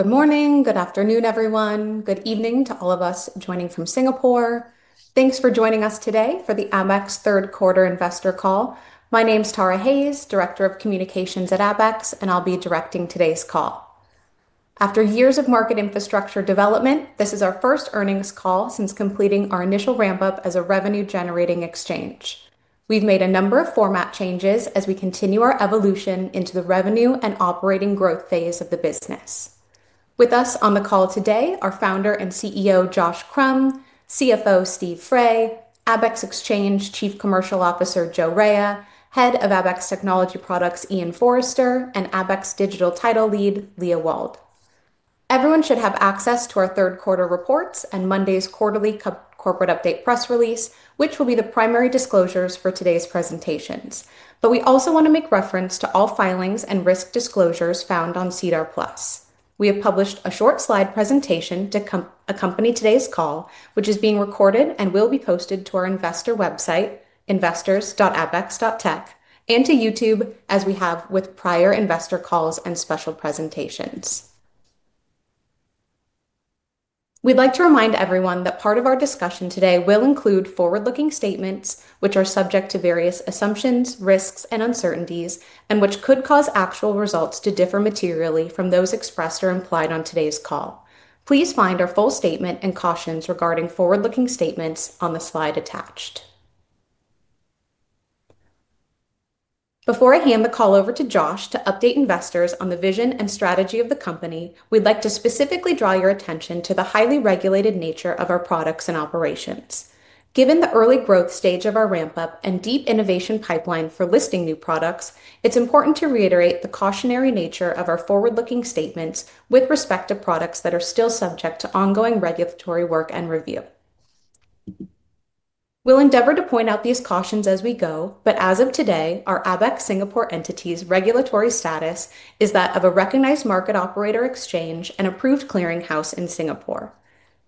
Good morning, good afternoon, everyone. Good evening to all of us joining from Singapore. Thanks for joining us today for the Abaxx third quarter investor call. My name's Tara Hayes, Director of Communications at Abaxx, and I'll be directing today's call. After years of market infrastructure development, this is our first earnings call since completing our initial ramp-up as a revenue-generating exchange. We've made a number of format changes as we continue our evolution into the revenue and operating growth phase of the business. With us on the call today are Founder and CEO Josh Crumb, CFO Steve Fray, Abaxx Exchange Chief Commercial Officer Joe Raia, Head of Abaxx Technology Products Ian Forrester, and Abaxx Digital Title Lead Leah Wald. Everyone should have access to our third quarter reports and Monday's quarterly corporate update press release, which will be the primary disclosures for today's presentations. We also want to make reference to all filings and risk disclosures found on Cedar Plus. We have published a short slide presentation to accompany today's call, which is being recorded and will be posted to our investor website, investors.abx.tech, and to YouTube as we have with prior investor calls and special presentations. We'd like to remind everyone that part of our discussion today will include forward-looking statements, which are subject to various assumptions, risks, and uncertainties, and which could cause actual results to differ materially from those expressed or implied on today's call. Please find our full statement and cautions regarding forward-looking statements on the slide attached. Before I hand the call over to Josh to update investors on the vision and strategy of the company, we'd like to specifically draw your attention to the highly regulated nature of our products and operations. Given the early growth stage of our ramp-up and deep innovation pipeline for listing new products, it's important to reiterate the cautionary nature of our forward-looking statements with respect to products that are still subject to ongoing regulatory work and review. We'll endeavor to point out these cautions as we go, but as of today, our ABX Singapore entity's regulatory status is that of a recognized market operator exchange and approved clearinghouse in Singapore.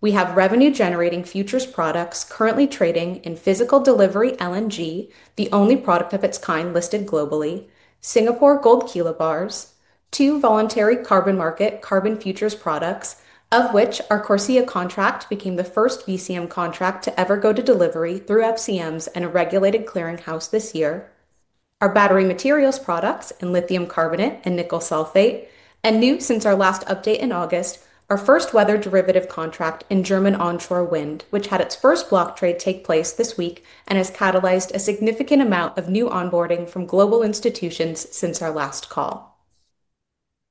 We have revenue-generating futures products currently trading in physical delivery LNG, the only product of its kind listed globally, Singapore Gold Kilo Bars, two voluntary carbon market carbon futures products, of which our Corsia contract became the first VCM contract to ever go to delivery through FCMs and a regulated clearinghouse this year, our Battery Materials products in lithium carbonate and nickel sulfate, and new since our last update in August, our first weather derivative contract in German onshore wind, which had its first block trade take place this week and has catalyzed a significant amount of new onboarding from global institutions since our last call.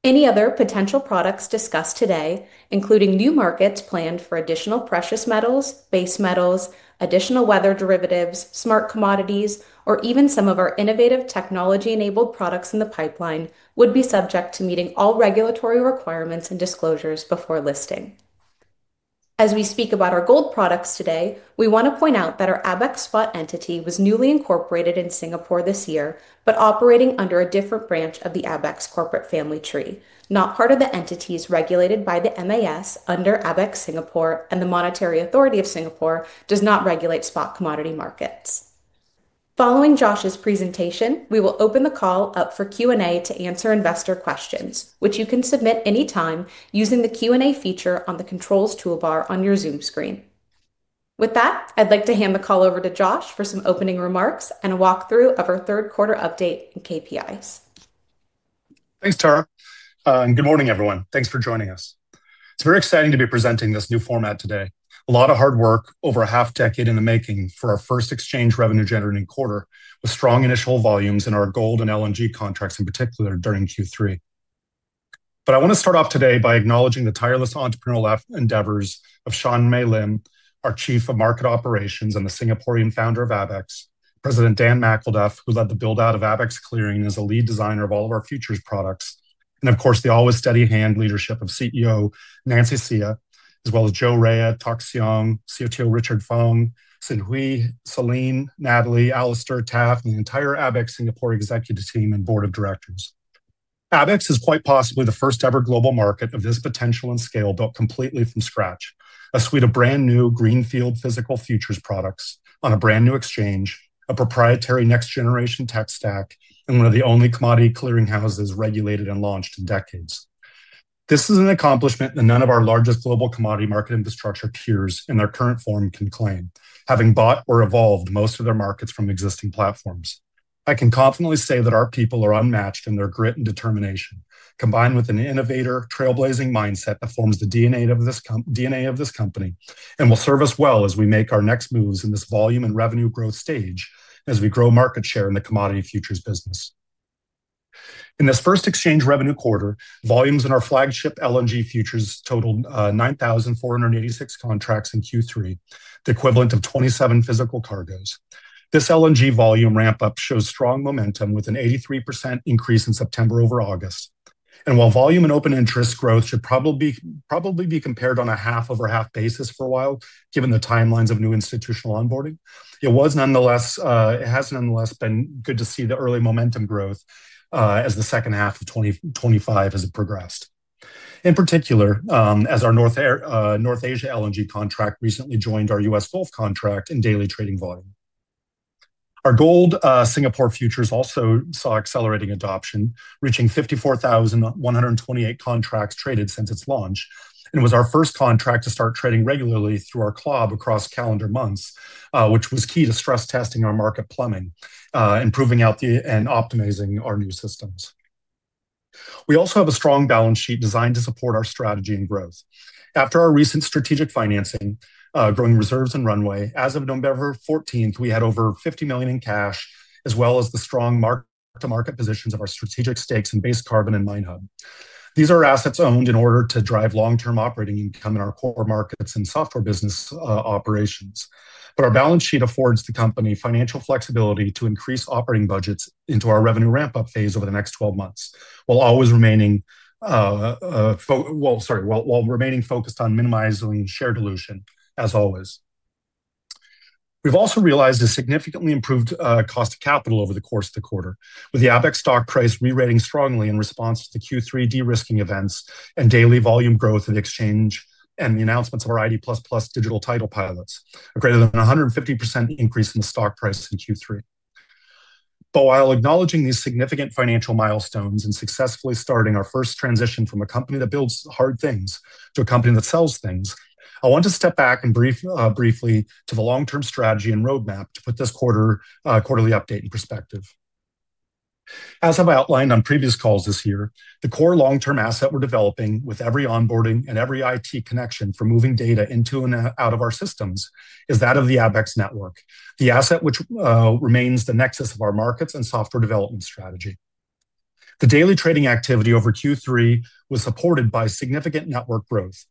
Any other potential products discussed today, including new markets planned for additional precious metals, base metals, additional weather derivatives, smart commodities, or even some of our innovative technology-enabled products in the pipeline, would be subject to meeting all regulatory requirements and disclosures before listing. As we speak about our gold products today, we want to point out that our Abaxx Spot entity was newly incorporated in Singapore this year, but operating under a different branch of the Abaxx corporate family tree. Not part of the entities regulated by the MAS under Abaxx Singapore and the Monetary Authority of Singapore does not regulate spot commodity markets. Following Josh's presentation, we will open the call up for Q&A to answer investor questions, which you can submit anytime using the Q&A feature on the controls toolbar on your Zoom screen. With that, I'd like to hand the call over to Josh for some opening remarks and a walkthrough of our third quarter update and KPIs. Thanks, Tara. Good morning, everyone. Thanks for joining us. It's very exciting to be presenting this new format today. A lot of hard work, over a half-decade in the making for our first exchange revenue-generating quarter with strong initial volumes in our gold and LNG contracts in particular during Q3. I want to start off today by acknowledging the tireless entrepreneurial endeavors of Sean Mei-Lin, our Chief of Market Operations and the Singaporean founder of ABX, President Dan McAuliffe, who led the build-out of ABX Clearing and is a lead designer of all of our futures products, and of course, the always steady hand leadership of CEO Nancy Sia, as well as Joe Raia, Tuck Seong, COTO Richard Fung, Xinhui, Celine, Natalie, Alistair, Taf, and the entire ABX Singapore executive team and board of directors. ABX is quite possibly the first-ever global market of this potential and scale built completely from scratch, a suite of brand-new greenfield physical futures products on a brand-new exchange, a proprietary next-generation tech stack, and one of the only commodity clearing houses regulated and launched in decades. This is an accomplishment that none of our largest global commodity market infrastructure peers in their current form can claim, having bought or evolved most of their markets from existing platforms. I can confidently say that our people are unmatched in their grit and determination, combined with an innovator, trailblazing mindset that forms the DNA of this company and will serve us well as we make our next moves in this volume and revenue growth stage as we grow market share in the commodity futures business. In this first exchange revenue quarter, volumes in our flagship LNG futures totaled 9,486 contracts in Q3, the equivalent of 27 physical cargoes. This LNG volume ramp-up shows strong momentum with an 83% increase in September over August. While volume and open interest growth should probably be compared on a half-over-half basis for a while, given the timelines of new institutional onboarding, it has nonetheless been good to see the early momentum growth as the second half of 2025 has progressed. In particular, as our North Asia LNG contract recently joined our US Gulf contract in daily trading volume. Our gold Singapore futures also saw accelerating adoption, reaching 54,128 contracts traded since its launch, and it was our first contract to start trading regularly through our club across calendar months, which was key to stress testing our market plumbing and proving out and optimizing our new systems. We also have a strong balance sheet designed to support our strategy and growth. After our recent strategic financing, growing reserves and runway, as of November 14th, we had over $50 million in cash, as well as the strong mark-to-market positions of our strategic stakes in Base Carbon and MineHub. These are assets owned in order to drive long-term operating income in our core markets and software business operations. Our balance sheet affords the company financial flexibility to increase operating budgets into our revenue ramp-up phase over the next 12 months, while always remaining focused on minimizing share dilution, as always. We've also realized a significantly improved cost of capital over the course of the quarter, with the ABX stock price re-rating strongly in response to the Q3 derisking events and daily volume growth of the exchange and the announcements of our ID++ digital title pilots, a greater than 150% increase in the stock price in Q3. While acknowledging these significant financial milestones and successfully starting our first transition from a company that builds hard things to a company that sells things, I want to step back and briefly to the long-term strategy and roadmap to put this quarterly update in perspective. As I've outlined on previous calls this year, the core long-term asset we're developing with every onboarding and every IT connection for moving data into and out of our systems is that of the ABX network, the asset which remains the nexus of our markets and software development strategy. The daily trading activity over Q3 was supported by significant network growth.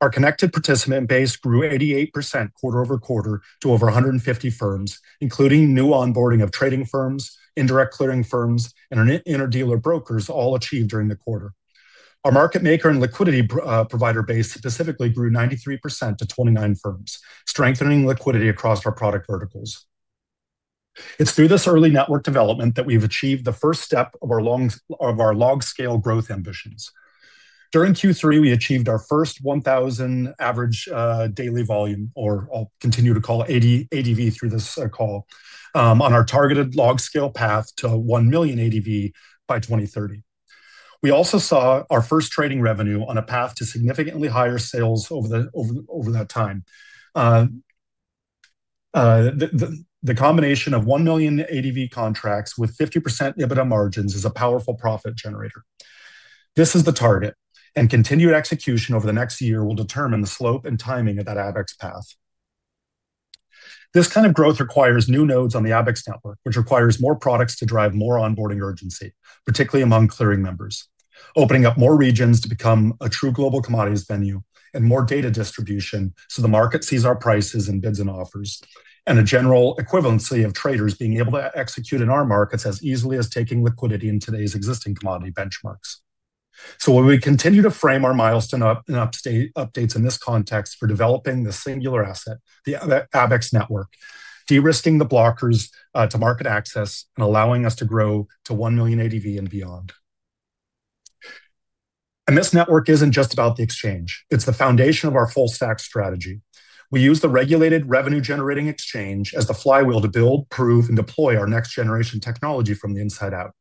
Our connected participant base grew 88% quarter over quarter to over 150 firms, including new onboarding of trading firms, indirect clearing firms, and interdealer brokers, all achieved during the quarter. Our market maker and liquidity provider base specifically grew 93% to 29 firms, strengthening liquidity across our product verticals. It's through this early network development that we've achieved the first step of our log-scale growth ambitions. During Q3, we achieved our first 1,000 average daily volume, or I'll continue to call ADV through this call, on our targeted log-scale path to 1 million ADV by 2030. We also saw our first trading revenue on a path to significantly higher sales over that time. The combination of 1 million ADV contracts with 50% EBITDA margins is a powerful profit generator. This is the target, and continued execution over the next year will determine the slope and timing of that ABX path. This kind of growth requires new nodes on the ABX network, which requires more products to drive more onboarding urgency, particularly among clearing members, opening up more regions to become a true global commodities venue and more data distribution so the market sees our prices and bids and offers, and a general equivalency of traders being able to execute in our markets as easily as taking liquidity in today's existing commodity benchmarks. When we continue to frame our milestone updates in this context for developing the singular asset, the ABX network, derisking the blockers to market access and allowing us to grow to 1 million ADV and beyond. This network is not just about the exchange. It is the foundation of our full-stack strategy. We use the regulated revenue-generating exchange as the flywheel to build, prove, and deploy our next-generation technology from the inside out.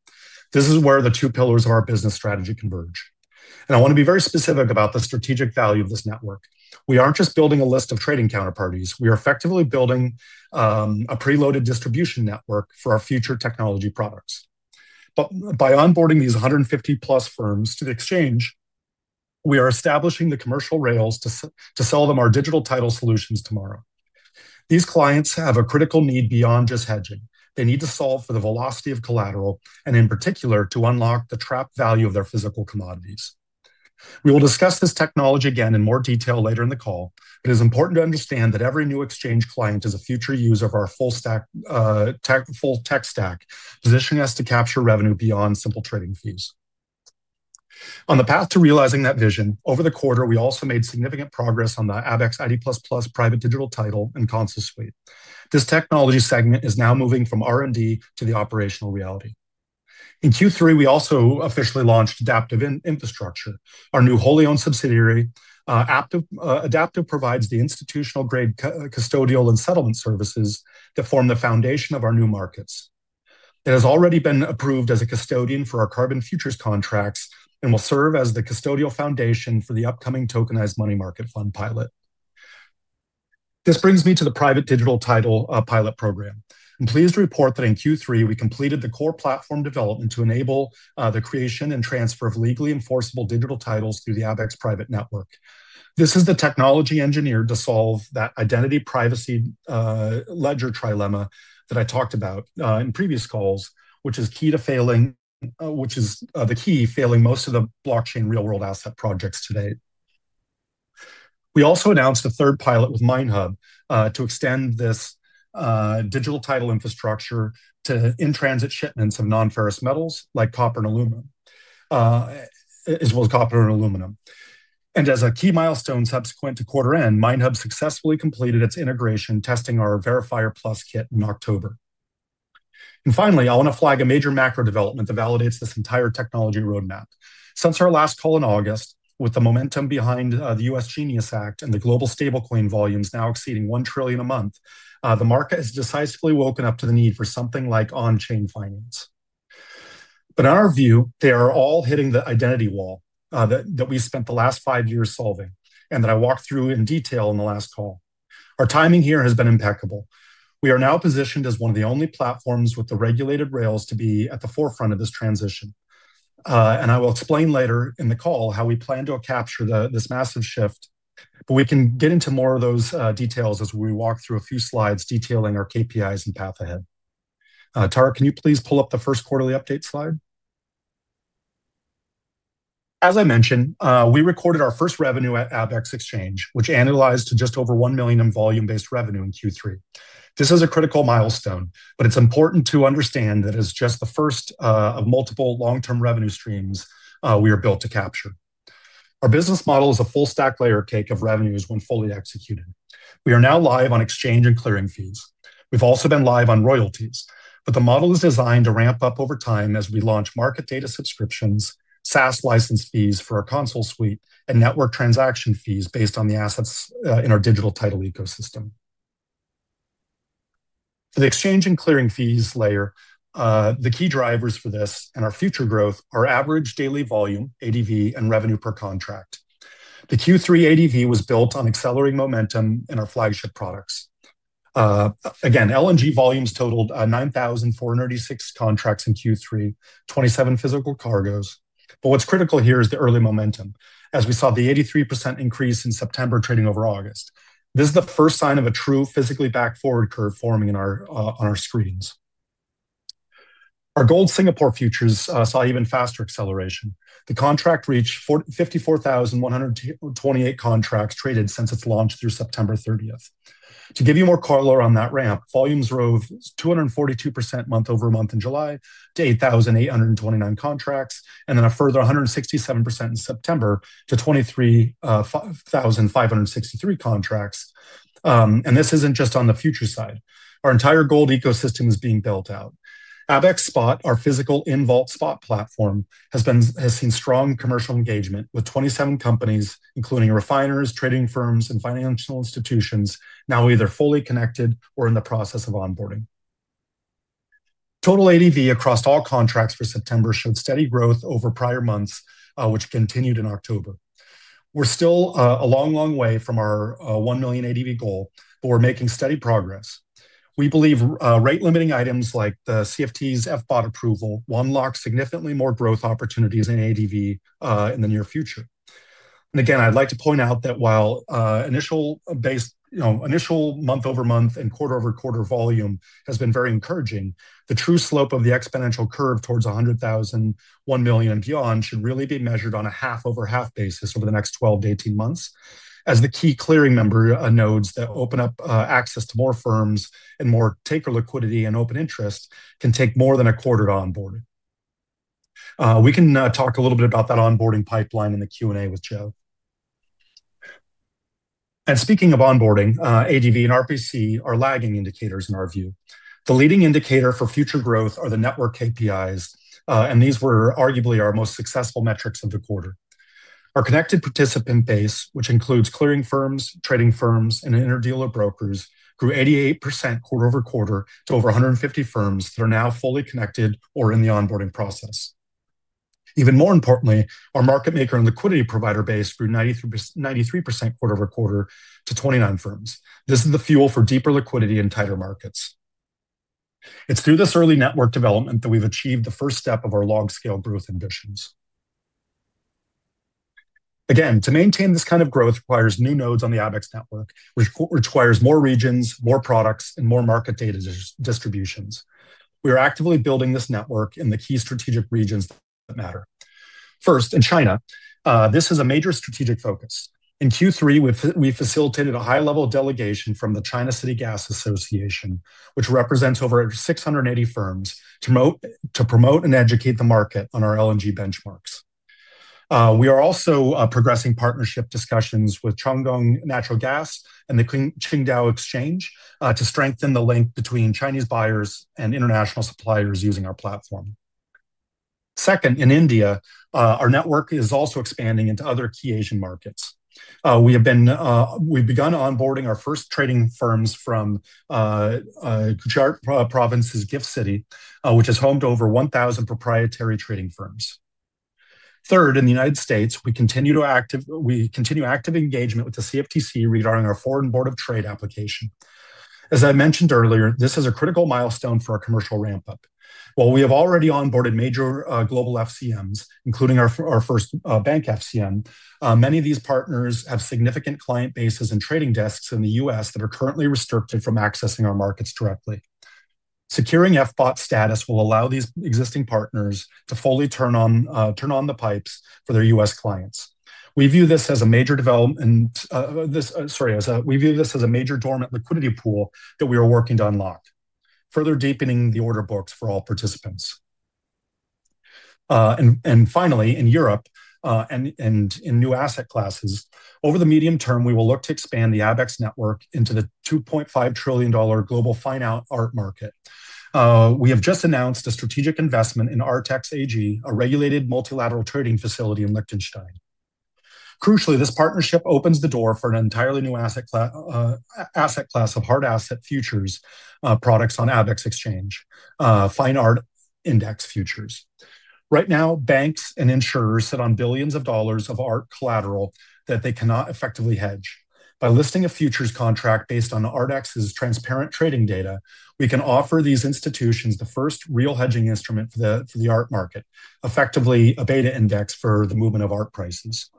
This is where the two pillars of our business strategy converge. I want to be very specific about the strategic value of this network. We are not just building a list of trading counterparties. We are effectively building a preloaded distribution network for our future technology products. By onboarding these 150+ firms to the exchange, we are establishing the commercial rails to sell them our digital title solutions tomorrow. These clients have a critical need beyond just hedging. They need to solve for the velocity of collateral and, in particular, to unlock the trap value of their physical commodities. We will discuss this technology again in more detail later in the call, but it is important to understand that every new exchange client is a future use of our full tech stack, positioning us to capture revenue beyond simple trading fees. On the path to realizing that vision, over the quarter, we also made significant progress on the ABX ID++ private digital title and console suite. This technology segment is now moving from R&D to the operational reality. In Q3, we also officially launched Adaptive Infrastructure, our new wholly-owned subsidiary. Adaptive provides the institutional-grade custodial and settlement services that form the foundation of our new markets. It has already been approved as a custodian for our carbon futures contracts and will serve as the custodial foundation for the upcoming tokenized money market fund pilot. This brings me to the private digital title pilot program. I'm pleased to report that in Q3, we completed the core platform development to enable the creation and transfer of legally enforceable digital titles through the ABX private network. This is the technology engineered to solve that identity privacy ledger trilemma that I talked about in previous calls, which is key to failing, which is the key failing most of the blockchain real-world asset projects today. We also announced a third pilot with MineHub to extend this digital title infrastructure to in-transit shipments of non-ferrous metals like copper and aluminum, as well as copper and aluminum. As a key milestone subsequent to quarter end, MineHub successfully completed its integration, testing our Verifier Plus kit in October. Finally, I want to flag a major macro development that validates this entire technology roadmap. Since our last call in August, with the momentum behind the U.S. GENIUS Act and the global stablecoin volumes now exceeding $1 trillion a month, the market has decisively woken up to the need for something like on-chain finance. In our view, they are all hitting the identity wall that we spent the last five years solving and that I walked through in detail in the last call. Our timing here has been impeccable. We are now positioned as one of the only platforms with the regulated rails to be at the forefront of this transition. I will explain later in the call how we plan to capture this massive shift, but we can get into more of those details as we walk through a few slides detailing our KPIs and path ahead. Tara, can you please pull up the first quarterly update slide? As I mentioned, we recorded our first revenue at ABX Exchange, which analyzed to just over $1 million in volume-based revenue in Q3. This is a critical milestone, but it's important to understand that it's just the first of multiple long-term revenue streams we are built to capture. Our business model is a full-stack layer cake of revenues when fully executed. We are now live on exchange and clearing fees. We've also been live on royalties, but the model is designed to ramp up over time as we launch market data subscriptions, SaaS license fees for our console suite, and network transaction fees based on the assets in our digital title ecosystem. For the exchange and clearing fees layer, the key drivers for this and our future growth are average daily volume, ADV, and revenue per contract. The Q3 ADV was built on accelerating momentum in our flagship products. Again, LNG volumes totaled 9,486 contracts in Q3, 27 physical cargoes. What is critical here is the early momentum, as we saw the 83% increase in September trading over August. This is the first sign of a true physically back forward curve forming on our screens. Our gold Singapore futures saw even faster acceleration. The contract reached 54,128 contracts traded since its launch through September 30. To give you more color on that ramp, volumes rose 242% month-over-month in July to 8,829 contracts, and then a further 167% in September to 23,563 contracts. This is not just on the future side. Our entire gold ecosystem is being built out. Abaxx Spot, our physical in-vault spot platform, has seen strong commercial engagement with 27 companies, including refiners, trading firms, and financial institutions, now either fully connected or in the process of onboarding. Total ADV across all contracts for September showed steady growth over prior months, which continued in October. We're still a long, long way from our 1 million ADV goal, but we're making steady progress. We believe rate-limiting items like the CFTC's FBOT approval will unlock significantly more growth opportunities in ADV in the near future. Again, I'd like to point out that while initial month-over-month and quarter-over-quarter volume has been very encouraging, the true slope of the exponential curve towards 100,000, 1 million, and beyond should really be measured on a half-over-half basis over the next 12-18 months, as the key clearing member nodes that open up access to more firms and more taker liquidity and open interest can take more than a quarter to onboard. We can talk a little bit about that onboarding pipeline in the Q&A with Joe. Speaking of onboarding, ADV and RPC are lagging indicators in our view. The leading indicator for future growth are the network KPIs, and these were arguably our most successful metrics of the quarter. Our connected participant base, which includes clearing firms, trading firms, and interdealer brokers, grew 88% quarter-over-quarter to over 150 firms that are now fully connected or in the onboarding process. Even more importantly, our market maker and liquidity provider base grew 93% quarter-over-quarter to 29 firms. This is the fuel for deeper liquidity in tighter markets. It's through this early network development that we've achieved the first step of our log-scale growth ambitions. Again, to maintain this kind of growth requires new nodes on the ABX network, which requires more regions, more products, and more market data distributions. We are actively building this network in the key strategic regions that matter. First, in China, this is a major strategic focus. In Q3, we facilitated a high-level delegation from the China City Gas Association, which represents over 680 firms, to promote and educate the market on our LNG benchmarks. We are also progressing partnership discussions with Chung Gung Natural Gas and the Qingdao Exchange to strengthen the link between Chinese buyers and international suppliers using our platform. Second, in India, our network is also expanding into other key Asian markets. We have begun onboarding our first trading firms from Gujarat Province's GIFT City, which is home to over 1,000 proprietary trading firms. Third, in the United States, we continue active engagement with the CFTC regarding our Foreign Board of Trade application. As I mentioned earlier, this is a critical milestone for our commercial ramp-up. While we have already onboarded major global FCMs, including our first bank FCM, many of these partners have significant client bases and trading desks in the U.S. that are currently restricted from accessing our markets directly. Securing FBOT status will allow these existing partners to fully turn on the pipes for their U.S. clients. We view this as a major development, sorry, we view this as a major dormant liquidity pool that we are working to unlock, further deepening the order books for all participants. Finally, in Europe and in new asset classes, over the medium term, we will look to expand the ABX network into the $2.5 trillion global fine art market. We have just announced a strategic investment in Artex AG, a regulated multilateral trading facility in Liechtenstein. Crucially, this partnership opens the door for an entirely new asset class of hard asset futures products on ABX Exchange, fine art index futures. Right now, banks and insurers sit on billions of dollars of art collateral that they cannot effectively hedge. By listing a futures contract based on Artex's transparent trading data, we can offer these institutions the first real hedging instrument for the art market, effectively a beta index for the movement of art prices.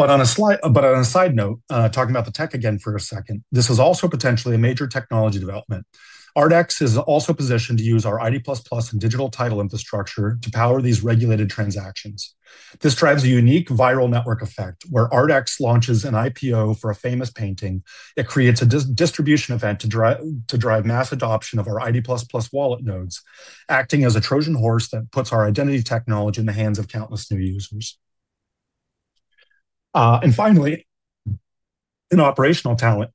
On a side note, talking about the tech again for a second, this is also potentially a major technology development. Artex is also positioned to use our ID++ and digital title infrastructure to power these regulated transactions. This drives a unique viral network effect where Artex launches an IPO for a famous painting. It creates a distribution event to drive mass adoption of our ID++ wallet nodes, acting as a Trojan horse that puts our identity technology in the hands of countless new users. Finally, in operational talent,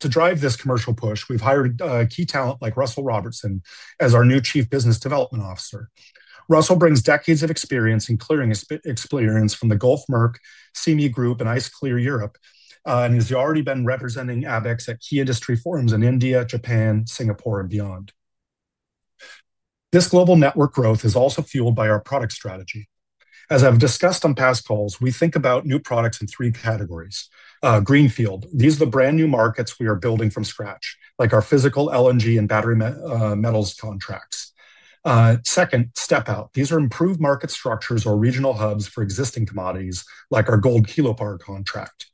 to drive this commercial push, we've hired key talent like Russell Robertson as our new Chief Business Development Officer. Russell brings decades of experience in clearing experience from the Gulf Merck, CME Group, and ICE Clear Europe, and has already been representing ABX at key industry forums in India, Japan, Singapore, and beyond. This global network growth is also fueled by our product strategy. As I've discussed on past calls, we think about new products in three categories. Greenfield, these are the brand new markets we are building from scratch, like our physical LNG and battery metals contracts. Second, step out. These are improved market structures or regional hubs for existing commodities, like our gold kilo bar contract.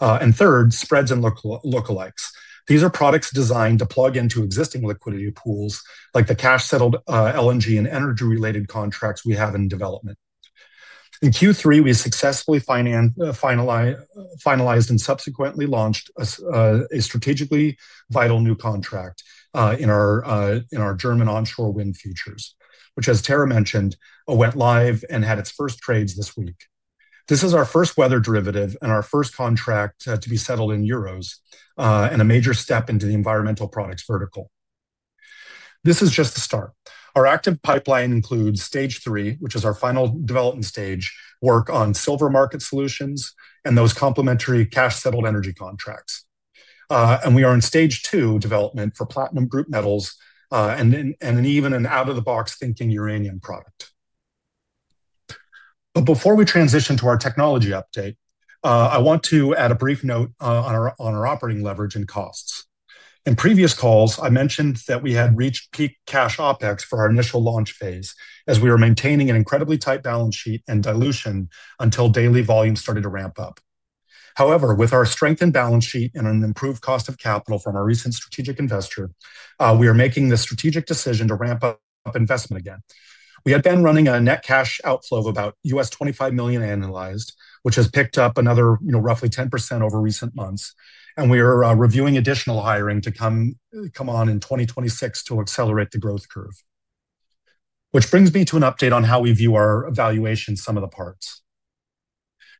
Third, spreads and lookalikes. These are products designed to plug into existing liquidity pools, like the cash-settled LNG and energy-related contracts we have in development. In Q3, we successfully finalized and subsequently launched a strategically vital new contract in our German onshore wind futures, which, as Tara mentioned, went live and had its first trades this week. This is our first weather derivative and our first contract to be settled in euros and a major step into the environmental products vertical. This is just the start. Our active pipeline includes stage three, which is our final development stage, work on silver market solutions and those complementary cash-settled energy contracts. We are in stage two development for platinum group metals and even an out-of-the-box thinking uranium product. Before we transition to our technology update, I want to add a brief note on our operating leverage and costs. In previous calls, I mentioned that we had reached peak cash OpEx for our initial launch phase as we were maintaining an incredibly tight balance sheet and dilution until daily volumes started to ramp up. However, with our strengthened balance sheet and an improved cost of capital from our recent strategic investor, we are making the strategic decision to ramp up investment again. We have been running a net cash outflow of about $25 million annualized, which has picked up another roughly 10% over recent months. We are reviewing additional hiring to come on in 2026 to accelerate the growth curve. This brings me to an update on how we view our valuation some of the parts.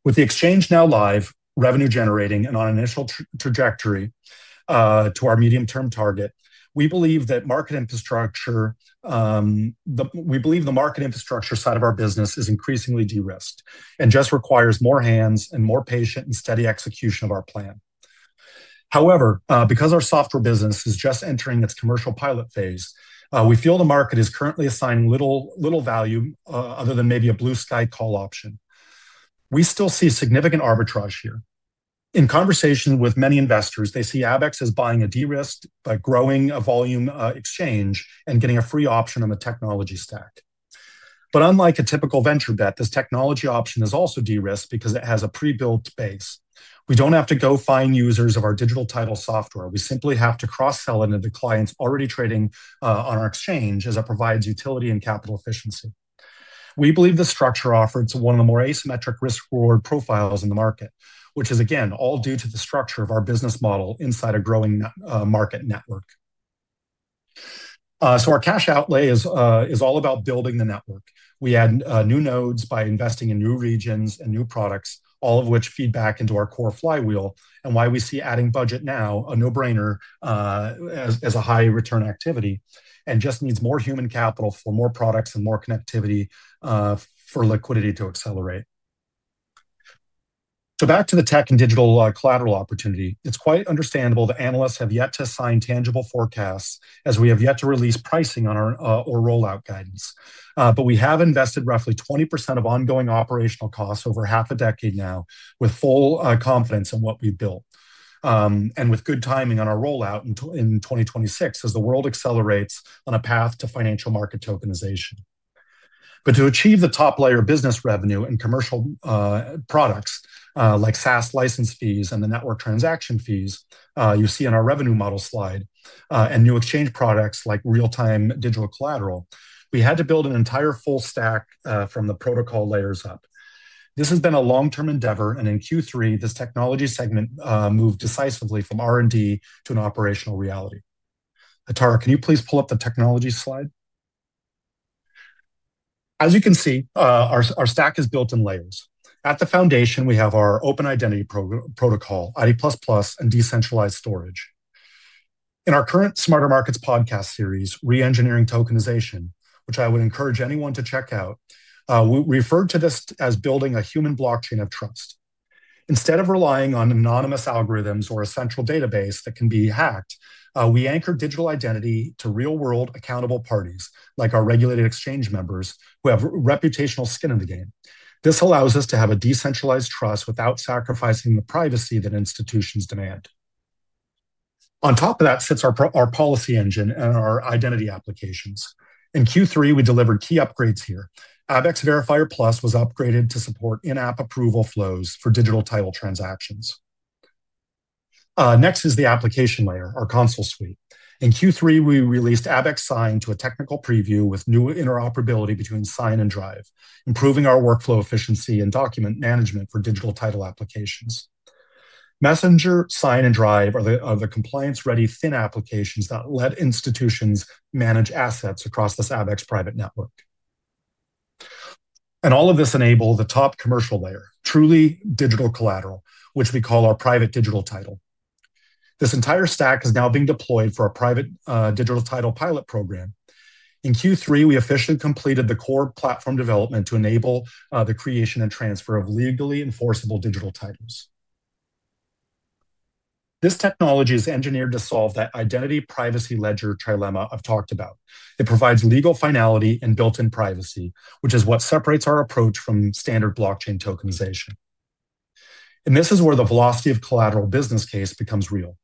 With the exchange now live, revenue-generating, and on initial trajectory to our medium-term target, we believe the market infrastructure side of our business is increasingly de-risked and just requires more hands and more patient and steady execution of our plan. However, because our software business is just entering its commercial pilot phase, we feel the market is currently assigning little value other than maybe a blue sky call option. We still see significant arbitrage here. In conversation with many investors, they see ABX as buying a de-risk by growing a volume exchange and getting a free option on the technology stack. Unlike a typical venture bet, this technology option is also de-risked because it has a pre-built base. We do not have to go find users of our digital title software. We simply have to cross-sell it into clients already trading on our exchange as it provides utility and capital efficiency. We believe the structure offers one of the more asymmetric risk-reward profiles in the market, which is, again, all due to the structure of our business model inside a growing market network. Our cash outlay is all about building the network. We add new nodes by investing in new regions and new products, all of which feed back into our core flywheel and why we see adding budget now a no-brainer as a high-return activity and just needs more human capital for more products and more connectivity for liquidity to accelerate. Back to the tech and digital collateral opportunity. It is quite understandable that analysts have yet to sign tangible forecasts as we have yet to release pricing or rollout guidance. We have invested roughly 20% of ongoing operational costs over half a decade now with full confidence in what we've built and with good timing on our rollout in 2026 as the world accelerates on a path to financial market tokenization. To achieve the top layer of business revenue and commercial products like SaaS license fees and the network transaction fees you see on our revenue model slide and new exchange products like real-time digital collateral, we had to build an entire full stack from the protocol layers up. This has been a long-term endeavor, and in Q3, this technology segment moved decisively from R&D to an operational reality. Tara, can you please pull up the technology slide? As you can see, our stack is built in layers. At the foundation, we have our open identity protocol, ID++, and decentralized storage. In our current Smarter Markets podcast series, Re-engineering Tokenization, which I would encourage anyone to check out, we referred to this as building a human blockchain of trust. Instead of relying on anonymous algorithms or a central database that can be hacked, we anchor digital identity to real-world accountable parties like our regulated exchange members who have reputational skin in the game. This allows us to have a decentralized trust without sacrificing the privacy that institutions demand. On top of that sits our policy engine and our identity applications. In Q3, we delivered key upgrades here. ABX Verifier Plus was upgraded to support in-app approval flows for digital title transactions. Next is the application layer, our console suite. In Q3, we released ABX Sign to a technical preview with new interoperability between Sign and Drive, improving our workflow efficiency and document management for digital title applications. Messenger, Sign, and Drive are the compliance-ready thin applications that let institutions manage assets across this ABX private network. All of this enables the top commercial layer, truly digital collateral, which we call our private digital title. This entire stack is now being deployed for our private digital title pilot program. In Q3, we officially completed the core platform development to enable the creation and transfer of legally enforceable digital titles. This technology is engineered to solve that identity privacy ledger trilemma I have talked about. It provides legal finality and built-in privacy, which is what separates our approach from standard blockchain tokenization. This is where the velocity of collateral business case becomes real.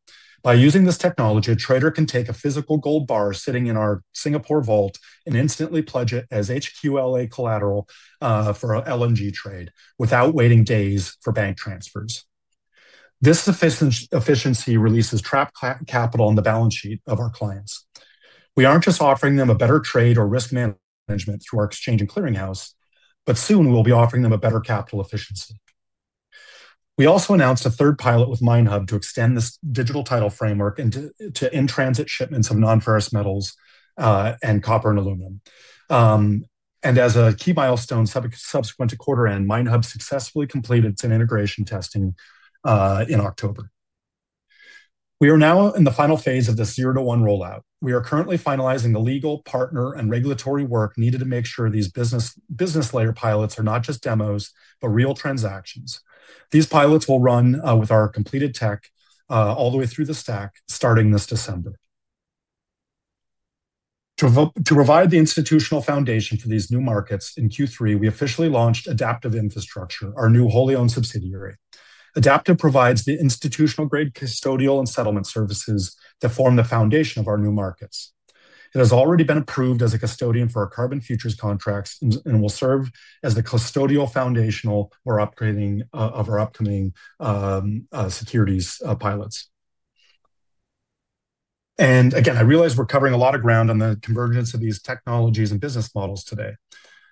By using this technology, a trader can take a physical gold bar sitting in our Singapore vault and instantly pledge it as HQLA collateral for an LNG trade without waiting days for bank transfers. This efficiency releases trapped capital on the balance sheet of our clients. We aren't just offering them a better trade or risk management through our exchange and clearing house, but soon we'll be offering them a better capital efficiency. We also announced a third pilot with MineHub to extend this digital title framework into in-transit shipments of non-ferrous metals and copper and aluminum. As a key milestone subsequent to quarter end, MineHub successfully completed some integration testing in October. We are now in the final phase of this zero-to-one rollout. We are currently finalizing the legal, partner, and regulatory work needed to make sure these business layer pilots are not just demos, but real transactions. These pilots will run with our completed tech all the way through the stack starting this December. To provide the institutional foundation for these new markets in Q3, we officially launched Adaptive Infrastructure, our new wholly-owned subsidiary. Adaptive provides the institutional-grade custodial and settlement services that form the foundation of our new markets. It has already been approved as a custodian for our carbon futures contracts and will serve as the custodial foundation for upgrading of our upcoming securities pilots. I realize we're covering a lot of ground on the convergence of these technologies and business models today.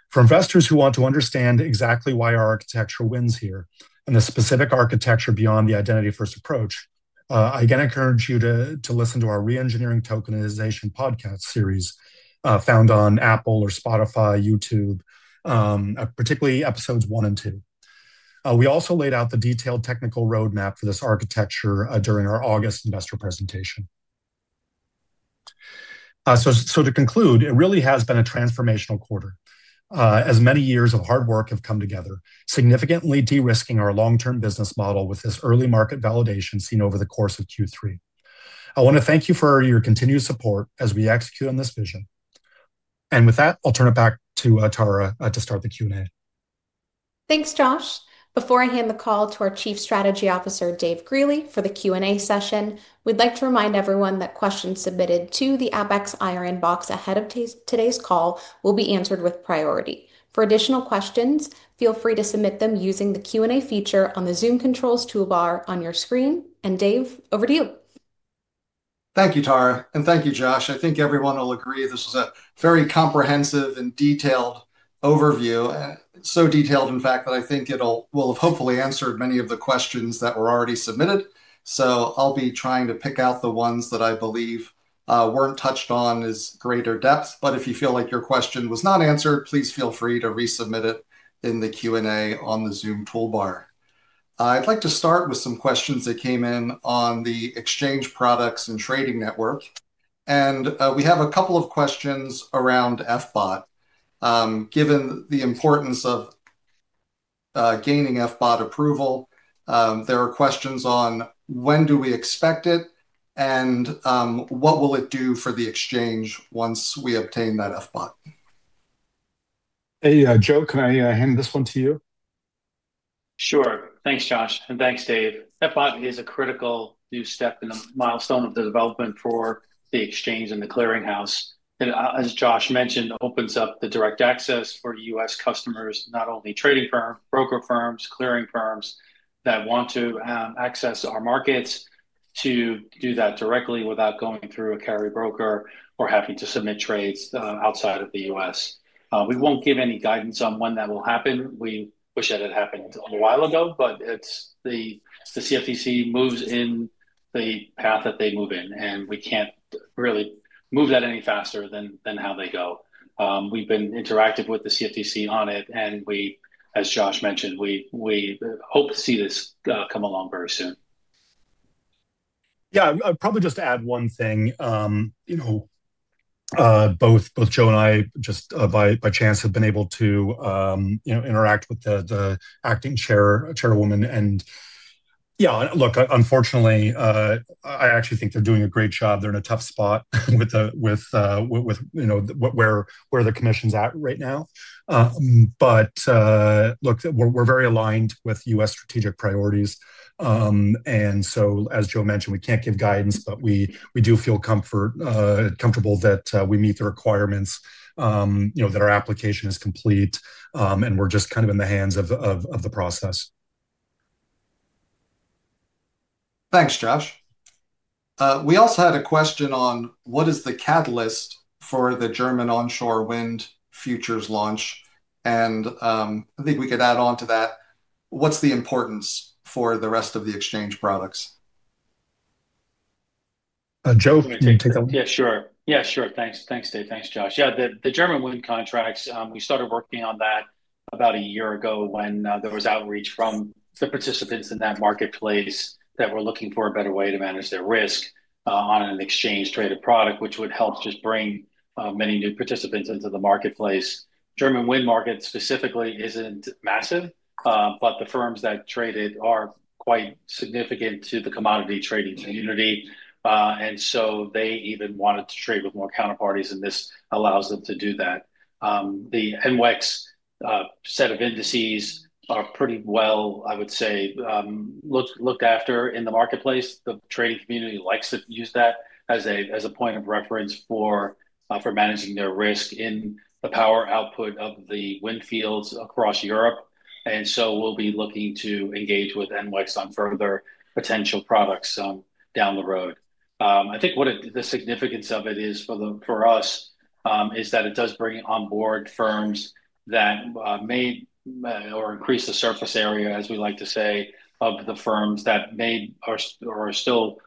For investors who want to understand exactly why our architecture wins here and the specific architecture beyond the identity-first approach, I again encourage you to listen to our Re-engineering Tokenization podcast series found on Apple or Spotify, YouTube, particularly episodes one and two. We also laid out the detailed technical roadmap for this architecture during our August investor presentation. To conclude, it really has been a transformational quarter as many years of hard work have come together, significantly de-risking our long-term business model with this early market validation seen over the course of Q3. I want to thank you for your continued support as we execute on this vision. With that, I'll turn it back to Tara to start the Q&A. Thanks, Josh. Before I hand the call to our Chief Strategy Officer, Dave Greeley, for the Q&A session, we'd like to remind everyone that questions submitted to the ABX IRN box ahead of today's call will be answered with priority. For additional questions, feel free to submit them using the Q&A feature on the Zoom controls toolbar on your screen. Dave, over to you. Thank you, Tara. Thank you, Josh. I think everyone will agree this was a very comprehensive and detailed overview. Detailed, in fact, that I think it will have hopefully answered many of the questions that were already submitted. I'll be trying to pick out the ones that I believe were not touched on as greater depth. If you feel like your question was not answered, please feel free to resubmit it in the Q&A on the Zoom toolbar. I'd like to start with some questions that came in on the exchange products and trading network. We have a couple of questions around FBOT. Given the importance of gaining FBOT approval, there are questions on when do we expect it and what will it do for the exchange once we obtain that FBOT? Hey, Joe, can I hand this one to you? Sure. Thanks, Josh. Thanks, Dave. FBOT is a critical new step in the milestone of the development for the exchange and the clearing house. As Josh mentioned, it opens up the direct access for U.S. customers, not only trading firms, broker firms, clearing firms that want to access our markets to do that directly without going through a carry broker or having to submit trades outside of the U.S. We won't give any guidance on when that will happen. We wish that it happened a while ago, but the CFTC moves in the path that they move in, and we can't really move that any faster than how they go. We've been interactive with the CFTC on it, and as Josh mentioned, we hope to see this come along very soon. Yeah, I'd probably just add one thing. Both Joe and I, just by chance, have been able to interact with the acting chairwoman. Yeah, look, unfortunately, I actually think they're doing a great job. They're in a tough spot with where the commission's at right now. Look, we're very aligned with U.S. strategic priorities. As Joe mentioned, we can't give guidance, but we do feel comfortable that we meet the requirements, that our application is complete, and we're just kind of in the hands of the process. Thanks, Josh. We also had a question on what is the catalyst for the German onshore wind futures launch. I think we could add on to that. What's the importance for the rest of the exchange products? Joe, can you take a— Yeah, sure. Yeah, sure. Thanks, Dave. Thanks, Josh. Yeah, the German wind contracts, we started working on that about a year ago when there was outreach from the participants in that marketplace that were looking for a better way to manage their risk on an exchange-traded product, which would help just bring many new participants into the marketplace. The German wind market specifically is not massive, but the firms that trade it are quite significant to the commodity trading community. They even wanted to trade with more counterparties, and this allows them to do that. The NWEX set of indices are pretty well, I would say, looked after in the marketplace. The trading community likes to use that as a point of reference for managing their risk in the power output of the wind fields across Europe. We will be looking to engage with NWEX on further potential products down the road. I think what the significance of it is for us is that it does bring onboard firms that may or increase the surface area, as we like to say, of the firms that may or are still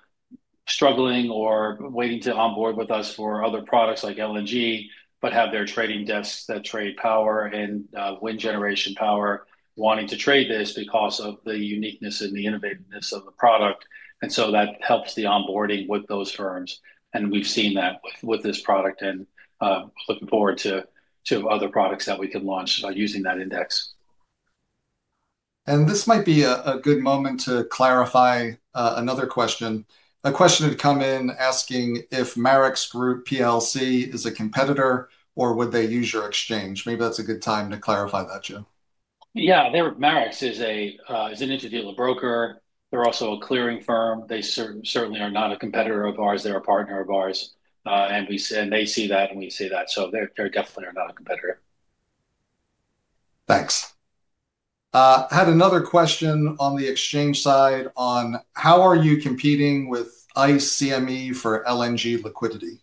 struggling or waiting to onboard with us for other products like LNG, but have their trading desks that trade power and wind generation power wanting to trade this because of the uniqueness and the innovativeness of the product. That helps the onboarding with those firms. We have seen that with this product and looking forward to other products that we can launch using that index. This might be a good moment to clarify another question. A question had come in asking if Marex Group is a competitor or would they use your exchange. Maybe that is a good time to clarify that, Joe. Yeah, Marex is an interdeal broker. They're also a clearing firm. They certainly are not a competitor of ours. They're a partner of ours. They see that, and we see that. They definitely are not a competitor. Thanks. I had another question on the exchange side on how are you competing with ICE and CME for LNG liquidity?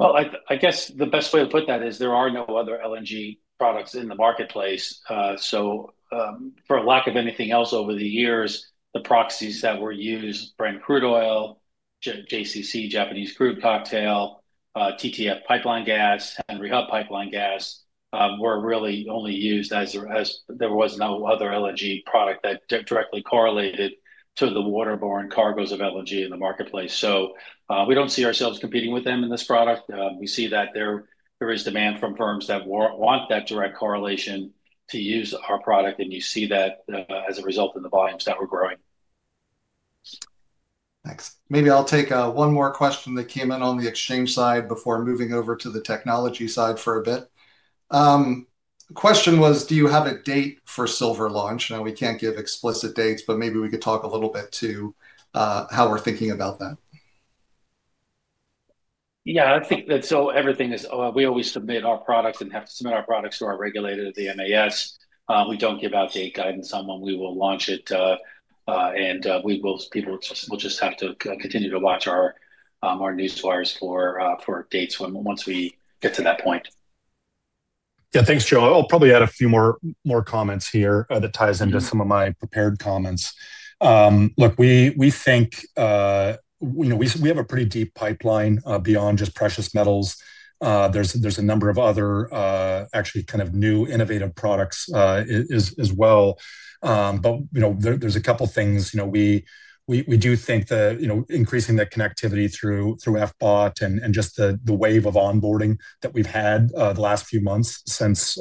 I guess the best way to put that is there are no other LNG products in the marketplace. For lack of anything else over the years, the proxies that were used, Brent crude oil, JCC Japanese crude cocktail, TTF pipeline gas, and rehub pipeline gas were really only used as there was no other LNG product that directly correlated to the waterborne cargoes of LNG in the marketplace. We don't see ourselves competing with them in this product. We see that there is demand from firms that want that direct correlation to use our product, and you see that as a result in the volumes that we're growing. Thanks. Maybe I'll take one more question that came in on the exchange side before moving over to the technology side for a bit. The question was, do you have a date for silver launch? Now, we can't give explicit dates, but maybe we could talk a little bit to how we're thinking about that. Yeah, I think that everything is we always submit our products and have to submit our products to our regulator, the MAS. We don't give out date guidance on when we will launch it. We will just have to continue to watch our news wires for dates once we get to that point. Yeah, thanks, Joe. I'll probably add a few more comments here that ties into some of my prepared comments. Look, we think we have a pretty deep pipeline beyond just precious metals. There's a number of other actually kind of new innovative products as well. There's a couple of things. We do think that increasing the connectivity through FBOT and just the wave of onboarding that we've had the last few months since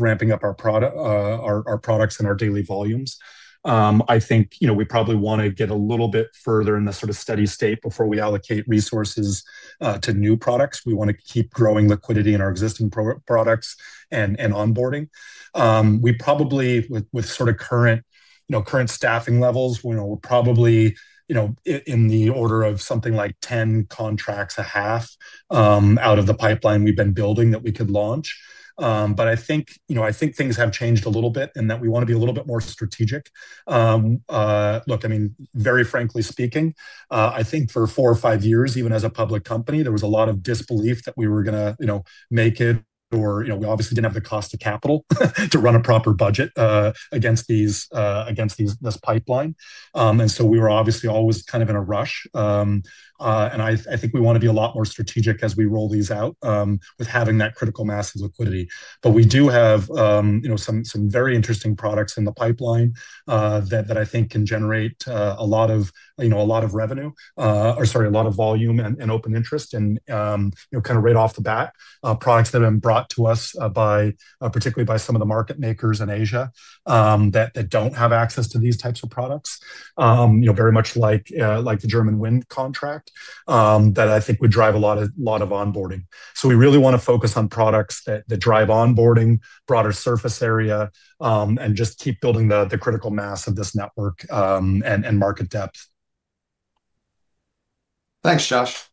ramping up our products and our daily volumes. I think we probably want to get a little bit further in the sort of steady state before we allocate resources to new products. We want to keep growing liquidity in our existing products and onboarding. We probably, with sort of current staffing levels, we're probably in the order of something like 10 contracts a half out of the pipeline we've been building that we could launch. I think things have changed a little bit and that we want to be a little bit more strategic. Look, I mean, very frankly speaking, I think for four or five years, even as a public company, there was a lot of disbelief that we were going to make it or we obviously did not have the cost of capital to run a proper budget against this pipeline. We were obviously always kind of in a rush. I think we want to be a lot more strategic as we roll these out with having that critical mass of liquidity. We do have some very interesting products in the pipeline that I think can generate a lot of revenue or, sorry, a lot of volume and open interest and kind of right off the bat products that have been brought to us particularly by some of the market makers in Asia that do not have access to these types of products, very much like the German wind contract that I think would drive a lot of onboarding. We really want to focus on products that drive onboarding, broader surface area, and just keep building the critical mass of this network and market depth. Thanks, Josh.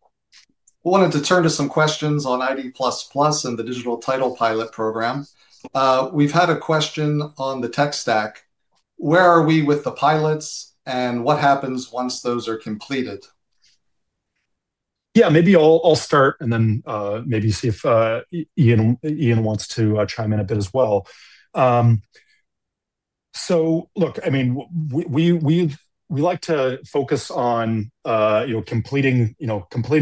I wanted to turn to some questions on ID++ and the digital title pilot program. We have had a question on the tech stack. Where are we with the pilots and what happens once those are completed? Yeah, maybe I'll start and then maybe see if Ian wants to chime in a bit as well. Look, I mean, we like to focus on completing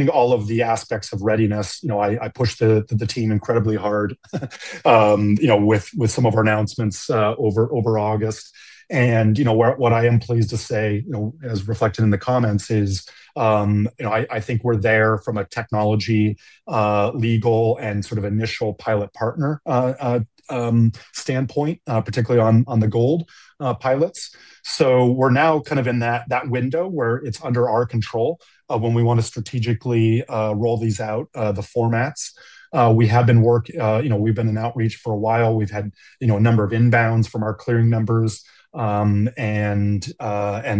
all of the aspects of readiness. I pushed the team incredibly hard with some of our announcements over August. What I am pleased to say, as reflected in the comments, is I think we're there from a technology, legal, and sort of initial pilot partner standpoint, particularly on the gold pilots. We're now kind of in that window where it's under our control when we want to strategically roll these out, the formats. We have been working, we've been in outreach for a while. We've had a number of inbounds from our clearing members and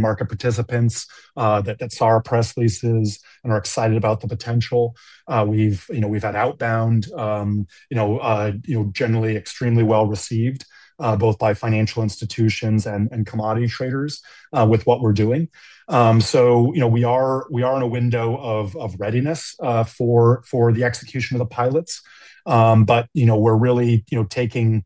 market participants that saw our press releases and are excited about the potential. We've had outbound generally extremely well-received both by financial institutions and commodity traders with what we're doing. We are in a window of readiness for the execution of the pilots. We are really taking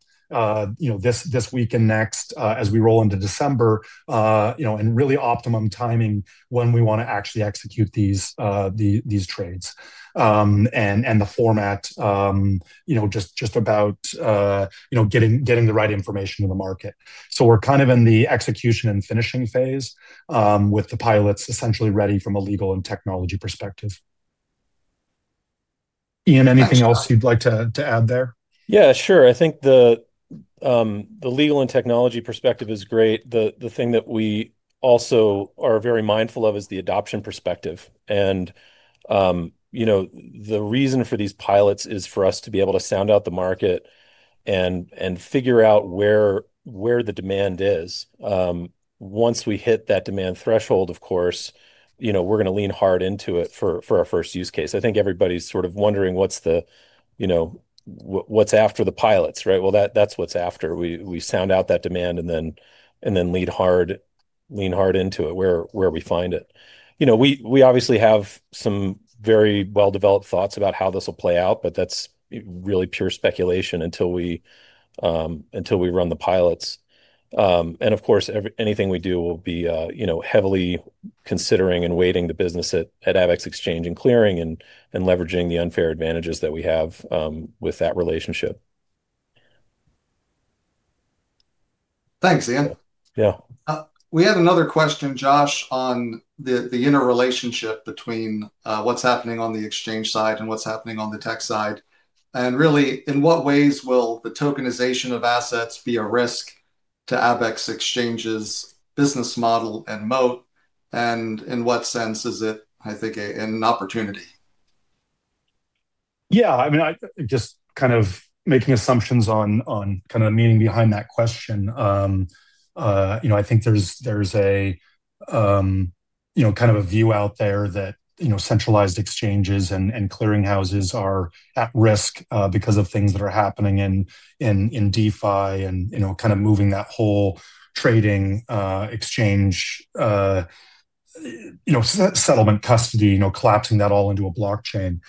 this week and next as we roll into December and really optimum timing when we want to actually execute these trades. The format is just about getting the right information in the market. We are kind of in the execution and finishing phase with the pilots essentially ready from a legal and technology perspective. Ian, anything else you'd like to add there? Yeah, sure. I think the legal and technology perspective is great. The thing that we also are very mindful of is the adoption perspective. The reason for these pilots is for us to be able to sound out the market and figure out where the demand is. Once we hit that demand threshold, of course, we're going to lean hard into it for our first use case. I think everybody's sort of wondering what's after the pilots, right? That's what's after. We sound out that demand and then lean hard into it where we find it. We obviously have some very well-developed thoughts about how this will play out, but that's really pure speculation until we run the pilots. Of course, anything we do will be heavily considering and weighting the business at Abaxx Exchange and clearing and leveraging the unfair advantages that we have with that relationship. Thanks, Ian. We had another question, Josh, on the interrelationship between what's happening on the exchange side and what's happening on the tech side. In what ways will the tokenization of assets be a risk to Abaxx Exchange's business model and moat? In what sense is it, I think, an opportunity? Yeah, I mean, just kind of making assumptions on kind of the meaning behind that question. I think there's kind of a view out there that centralized exchanges and clearing houses are at risk because of things that are happening in DeFi and kind of moving that whole trading exchange settlement custody, collapsing that all into a blockchain.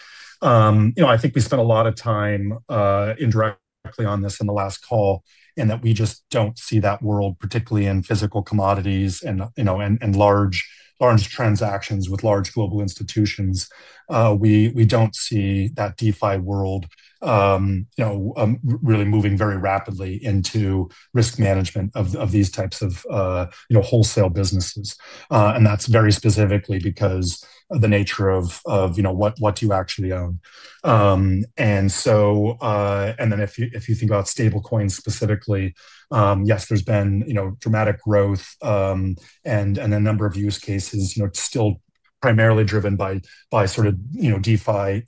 I think we spent a lot of time indirectly on this in the last call and that we just don't see that world, particularly in physical commodities and large transactions with large global institutions. We don't see that DeFi world really moving very rapidly into risk management of these types of wholesale businesses. That's very specifically because of the nature of what you actually own. If you think about stablecoins specifically, yes, there's been dramatic growth and a number of use cases still primarily driven by sort of DeFi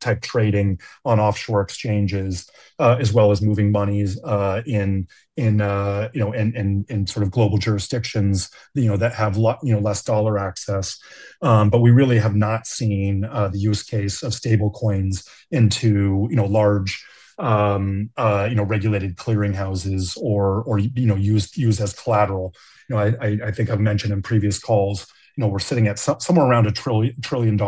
type trading on offshore exchanges as well as moving monies in sort of global jurisdictions that have less dollar access. We really have not seen the use case of stablecoins into large regulated clearing houses or used as collateral. I think I've mentioned in previous calls, we're sitting at somewhere around $1 trillion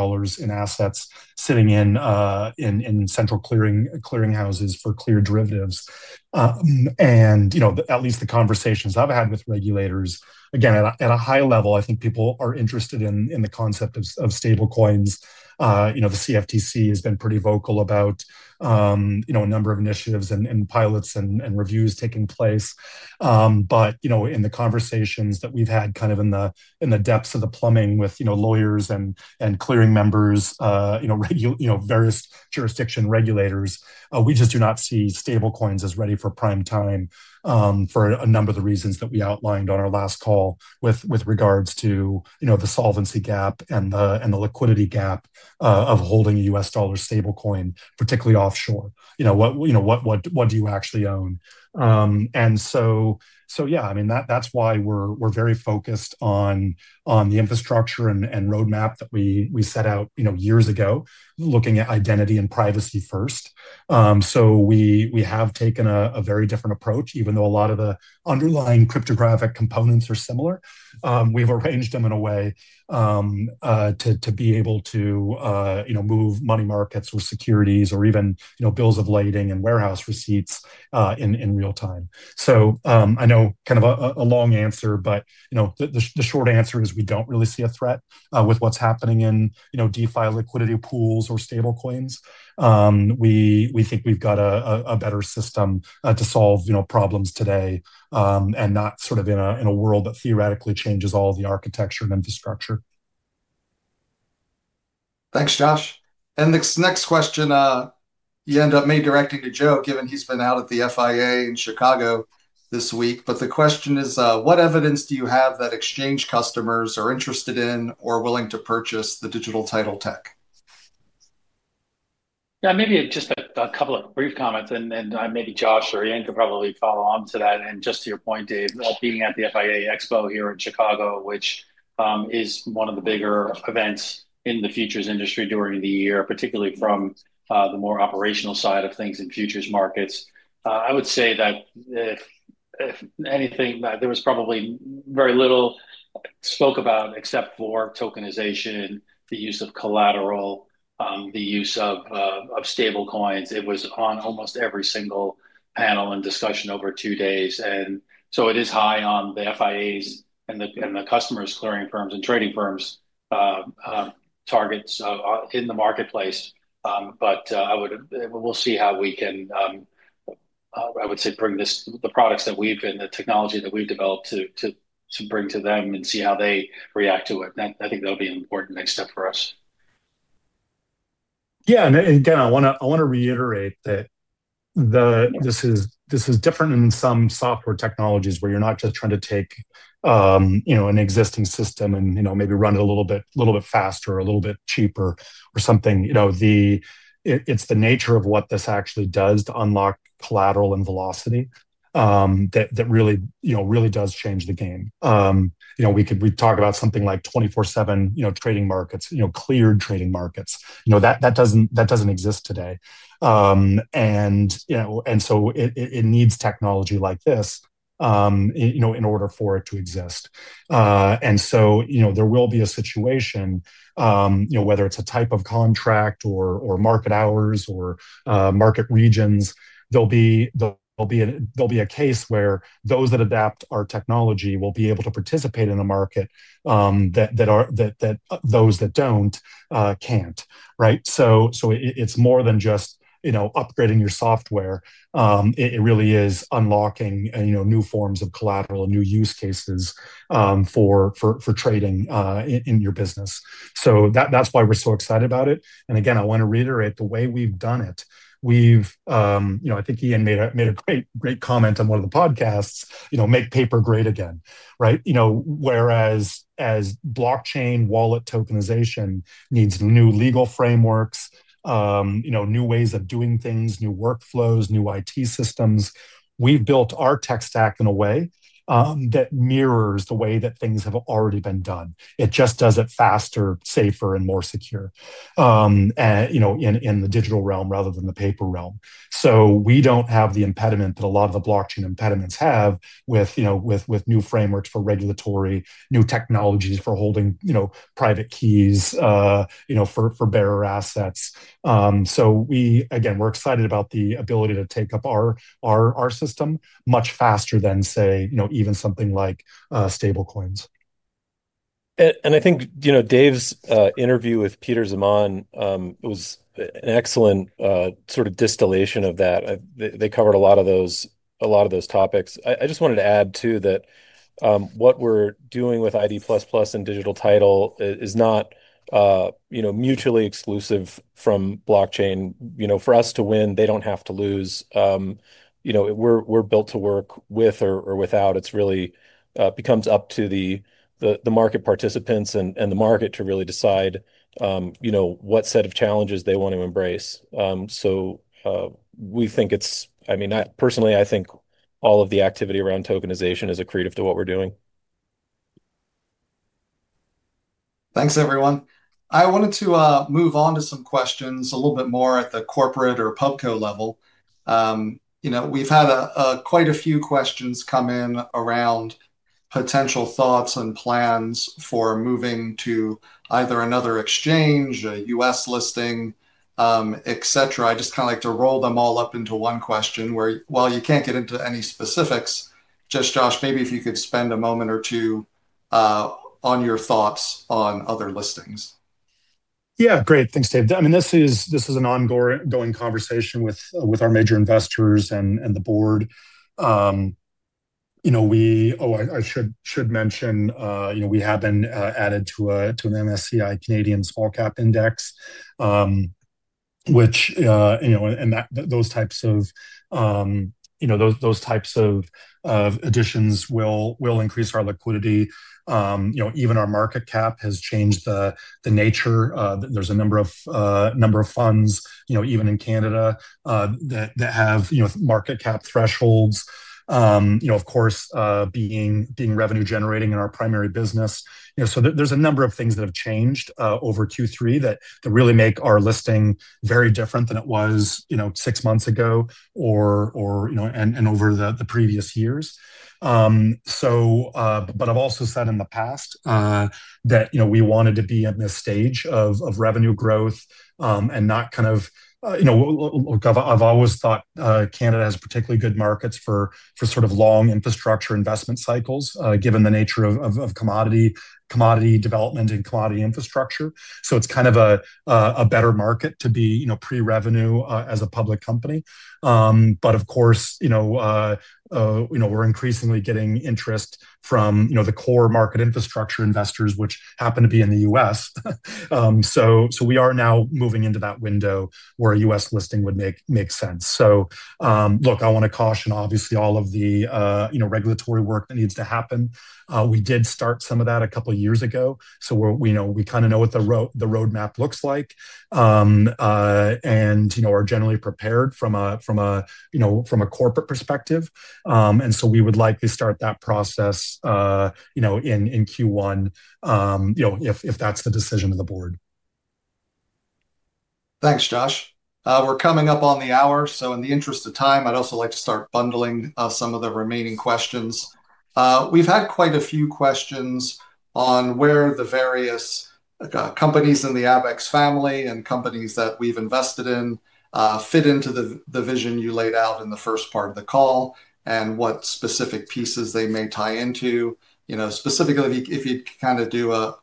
in assets sitting in central clearing houses for clear derivatives. At least the conversations I've had with regulators, again, at a high level, I think people are interested in the concept of stablecoins. The CFTC has been pretty vocal about a number of initiatives and pilots and reviews taking place. In the conversations that we've had kind of in the depths of the plumbing with lawyers and clearing members, various jurisdiction regulators, we just do not see stablecoins as ready for prime time for a number of the reasons that we outlined on our last call with regards to the solvency gap and the liquidity gap of holding a US dollar stablecoin, particularly offshore. What do you actually own? I mean, that's why we're very focused on the infrastructure and roadmap that we set out years ago, looking at identity and privacy first. We have taken a very different approach, even though a lot of the underlying cryptographic components are similar. We've arranged them in a way to be able to move money markets or securities or even bills of lading and warehouse receipts in real time. I know kind of a long answer, but the short answer is we do not really see a threat with what is happening in DeFi liquidity pools or stablecoins. We think we have got a better system to solve problems today and not sort of in a world that theoretically changes all the architecture and infrastructure. Thanks, Josh. This next question, you end up maybe directing to Joe, given he has been out at the FIA in Chicago this week. The question is, what evidence do you have that exchange customers are interested in or willing to purchase the digital title tech? Yeah, maybe just a couple of brief comments. Maybe Josh or Ian could probably follow on to that. Just to your point, Dave, being at the FIA Expo here in Chicago, which is one of the bigger events in the futures industry during the year, particularly from the more operational side of things in futures markets, I would say that if anything, there was probably very little spoke about except for tokenization, the use of collateral, the use of stablecoins. It was on almost every single panel and discussion over two days. It is high on the FIA's and the customers' clearing firms and trading firms' targets in the marketplace. We will see how we can, I would say, bring the products that we've and the technology that we've developed to bring to them and see how they react to it. I think that will be an important next step for us. Yeah. I want to reiterate that this is different in some software technologies where you're not just trying to take an existing system and maybe run it a little bit faster or a little bit cheaper or something. It's the nature of what this actually does to unlock collateral and velocity that really does change the game. We talk about something like 24/7 trading markets, cleared trading markets. That doesn't exist today. It needs technology like this in order for it to exist. There will be a situation, whether it's a type of contract or market hours or market regions, there will be a case where those that adapt our technology will be able to participate in a market that those that do not cannot, right? It is more than just upgrading your software. It really is unlocking new forms of collateral and new use cases for trading in your business. That is why we're so excited about it. Again, I want to reiterate the way we've done it. I think Ian made a great comment on one of the podcasts, "Make paper great again," right? Whereas as blockchain wallet tokenization needs new legal frameworks, new ways of doing things, new workflows, new IT systems, we've built our tech stack in a way that mirrors the way that things have already been done. It just does it faster, safer, and more secure in the digital realm rather than the paper realm. We do not have the impediment that a lot of the blockchain impediments have with new frameworks for regulatory, new technologies for holding private keys for bearer assets. Again, we're excited about the ability to take up our system much faster than, say, even something like stablecoins. I think Dave's interview with Peter Zaman was an excellent sort of distillation of that. They covered a lot of those topics. I just wanted to add too that what we're doing with ID++ and digital title is not mutually exclusive from blockchain. For us to win, they do not have to lose. We're built to work with or without. It really becomes up to the market participants and the market to really decide what set of challenges they want to embrace. I mean, personally, I think all of the activity around tokenization is accretive to what we're doing. Thanks, everyone. I wanted to move on to some questions a little bit more at the corporate or Pubco level. We've had quite a few questions come in around potential thoughts and plans for moving to either another exchange, a U.S. listing, etc. I just kind of like to roll them all up into one question where, while you can't get into any specifics, just, Josh, maybe if you could spend a moment or two on your thoughts on other listings. Yeah, great. Thanks, Dave. I mean, this is an ongoing conversation with our major investors and the board. Oh, I should mention we have been added to an MSCI Canadian Small Cap Index, which, and those types of, those types of additions will increase our liquidity. Even our market cap has changed the nature. There's a number of funds, even in Canada, that have market cap thresholds, of course, being revenue-generating in our primary business. There are a number of things that have changed over Q3 that really make our listing very different than it was six months ago and over the previous years. I've also said in the past that we wanted to be at this stage of revenue growth and not kind of—I have always thought Canada has particularly good markets for sort of long infrastructure investment cycles, given the nature of commodity development and commodity infrastructure. It is kind of a better market to be pre-revenue as a public company. Of course, we are increasingly getting interest from the core market infrastructure investors, which happen to be in the U.S. We are now moving into that window where a U.S. listing would make sense. I want to caution, obviously, all of the regulatory work that needs to happen. We did start some of that a couple of years ago. We kind of know what the roadmap looks like and are generally prepared from a corporate perspective. We would likely start that process in Q1 if that's the decision of the board. Thanks, Josh. We're coming up on the hour. In the interest of time, I'd also like to start bundling some of the remaining questions. We've had quite a few questions on where the various companies in the Abaxx family and companies that we've invested in fit into the vision you laid out in the first part of the call and what specific pieces they may tie into. Specifically, if you'd kind of do a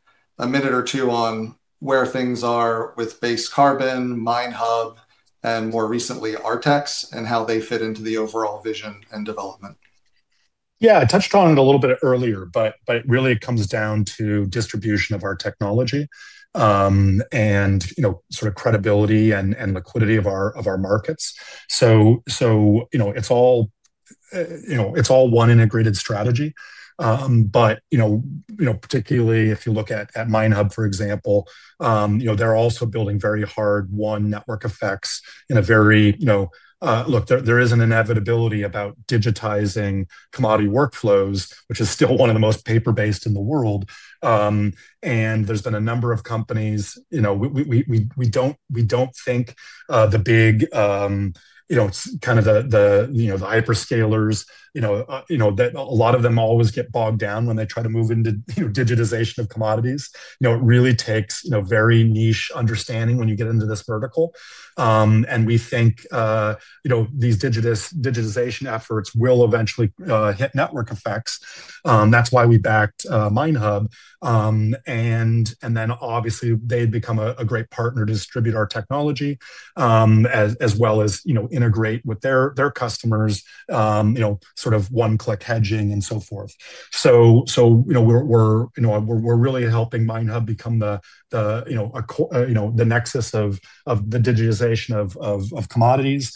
minute or two on where things are with Base Carbon, MineHub, and more recently, Artex, and how they fit into the overall vision and development. Yeah, I touched on it a little bit earlier, but it really comes down to distribution of our technology and sort of credibility and liquidity of our markets. It is all one integrated strategy. Particularly, if you look at MineHub, for example, they are also building very hard-won network effects in a very—look, there is an inevitability about digitizing commodity workflows, which is still one of the most paper-based in the world. There have been a number of companies—we do not think the big kind of the hyperscalers, that a lot of them always get bogged down when they try to move into digitization of commodities. It really takes very niche understanding when you get into this vertical. We think these digitization efforts will eventually hit network effects. That is why we backed MineHub. They've become a great partner to distribute our technology as well as integrate with their customers, sort of one-click hedging and so forth. We are really helping MineHub become the nexus of the digitization of commodities.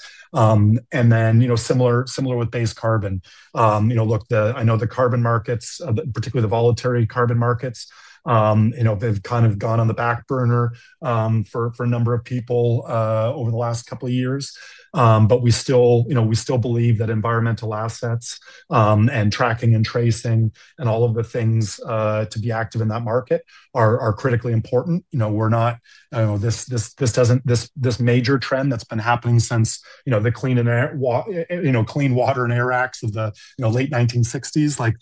Similar with Base Carbon. Look, I know the carbon markets, particularly the volatile carbon markets, have kind of gone on the back burner for a number of people over the last couple of years. We still believe that environmental assets and tracking and tracing and all of the things to be active in that market are critically important. This major trend that's been happening since the Clean Water and Air Acts of the late 1960s, like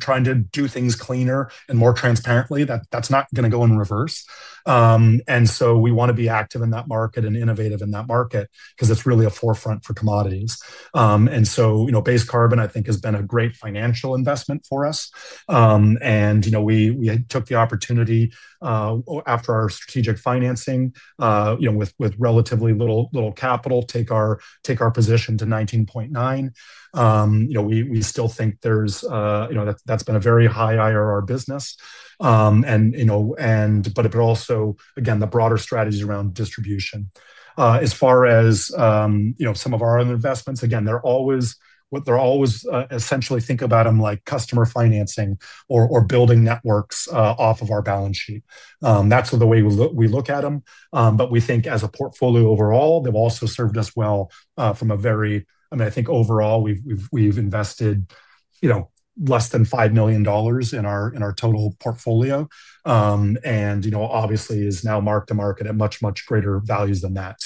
trying to do things cleaner and more transparently, is not going to go in reverse. We want to be active in that market and innovative in that market because it's really a forefront for commodities. Base Carbon, I think, has been a great financial investment for us. We took the opportunity after our strategic financing with relatively little capital to take our position to 19.9%. We still think that's been a very high IRR business. It also, again, the broader strategies around distribution. As far as some of our investments, again, they're always—essentially, think about them like customer financing or building networks off of our balance sheet. That's the way we look at them. We think as a portfolio overall, they've also served us well from a very—I mean, I think overall, we've invested less than $5 million in our total portfolio. Obviously, it is now marked to market at much, much greater values than that.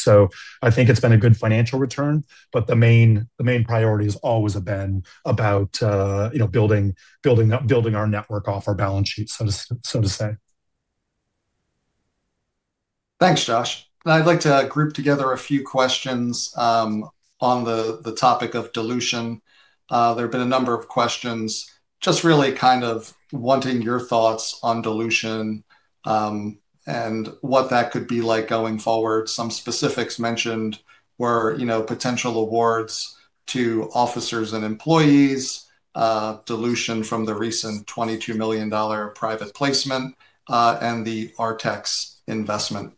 I think it's been a good financial return. The main priority has always been about building our network off our balance sheet, so to say. Thanks, Josh. I'd like to group together a few questions on the topic of dilution. There have been a number of questions just really kind of wanting your thoughts on dilution and what that could be like going forward. Some specifics mentioned were potential awards to officers and employees, dilution from the recent $22 million private placement, and the Artex investment.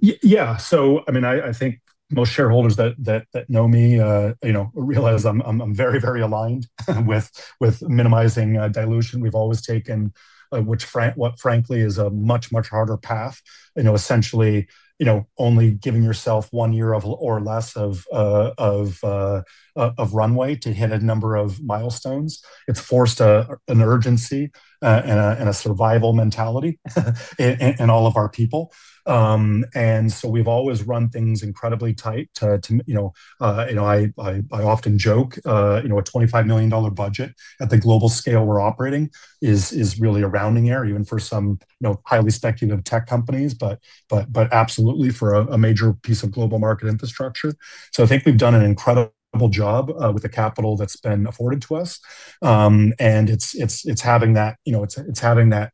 Yeah. I mean, I think most shareholders that know me realize I'm very, very aligned with minimizing dilution. We've always taken what, frankly, is a much, much harder path. Essentially, only giving yourself one year or less of runway to hit a number of milestones. It's forced an urgency and a survival mentality in all of our people. We've always run things incredibly tight to—I often joke a $25 million budget at the global scale we're operating is really a rounding error even for some highly speculative tech companies, but absolutely for a major piece of global market infrastructure. I think we've done an incredible job with the capital that's been afforded to us. It's having that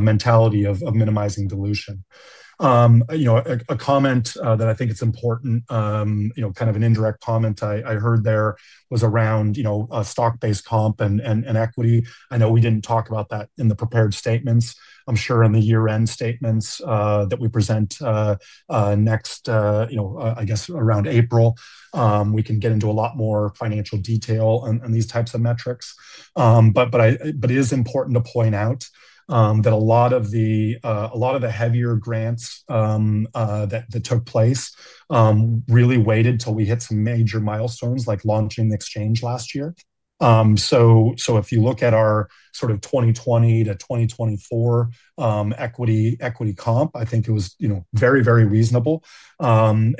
mentality of minimizing dilution. A comment that I think is important, kind of an indirect comment I heard there, was around stock-based comp and equity. I know we didn't talk about that in the prepared statements. I'm sure in the year-end statements that we present next, I guess, around April, we can get into a lot more financial detail on these types of metrics. It is important to point out that a lot of the heavier grants that took place really waited till we hit some major milestones like launching the exchange last year. If you look at our sort of 2020-2024 equity comp, I think it was very, very reasonable. A